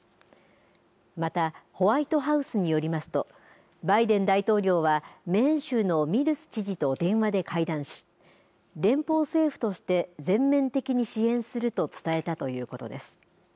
またホワイトハウスによりますとバイデン大統領はメーン州のミルス知事と電話で会談し連邦政府として全面的に支援すると伝えたということです。